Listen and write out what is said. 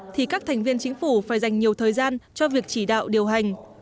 thì các thành viên chính phủ phải dành nhiều thời gian cho việc chỉ đạo điều hành